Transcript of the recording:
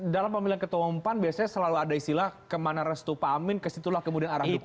dalam pemilihan ketua umpan biasanya selalu ada istilah kemana restu pahamin kesitulah kemudian arah dukungannya